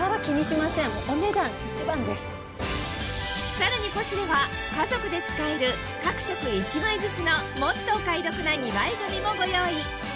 さらに『ポシュレ』は家族で使える各色１枚ずつのもっとお買い得な２枚組もご用意！